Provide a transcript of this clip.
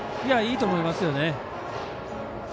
いいと思いますよね。